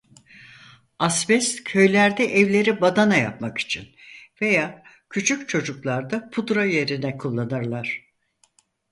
Asbest köylerde evleri badana yapmak için veya küçük çocuklarda pudra yerine kullanırlar.